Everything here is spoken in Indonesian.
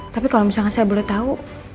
tapi kalau misalnya saya boleh tahu